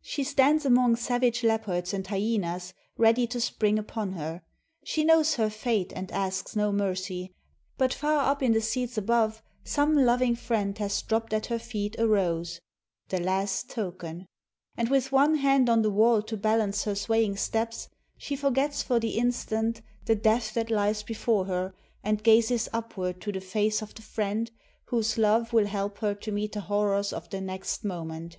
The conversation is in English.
She stands among savage leopards and hyenas ready to spring upon her; she knows her fate and asks no mercy. But far up in the seats above some loving friend has dropped at her feet a rose, "the last token"; and with one hand on the wall to balance her swaying steps she forgets for the instant the death that lies before her and gazes upward to the face of the friend whose love will help her to meet the horrors of the next moment.